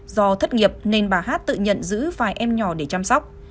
do thất nghiệp nên bà hát tự nhận giữ vài em nhỏ để chăm sóc